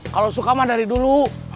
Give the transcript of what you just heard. kalau suka mah dari dulu